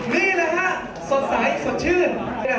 นี่แหละฮะสดใสสดชื่น